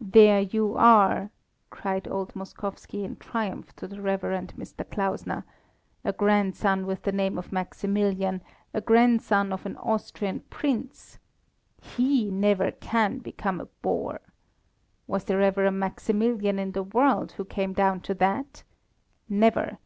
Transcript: "There you are," cried old Moskowski in triumph to the Rev. Mr. Klausner, "a grandson with the name of Maximilian, a grandson of an Austrian prince! He never can become a boor. Was there ever a Maximilian in the world who came down to that? Never!